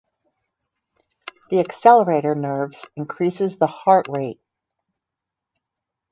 The accelerator nerves increases the heart rate.